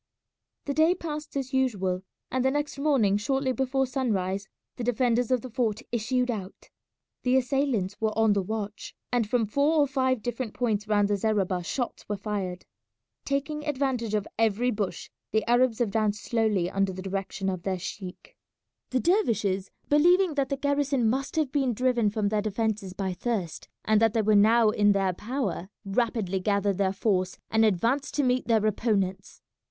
The day passed as usual, and the next morning shortly before sunrise the defenders of the fort issued out. The assailants were on the watch, and from four or five different points round the zareba shots were fired. Taking advantage of every bush the Arabs advanced slowly under the direction of their sheik. The dervishes, believing that the garrison must have been driven from their defences by thirst, and that they were now in their power, rapidly gathered their force and advanced to meet their opponents.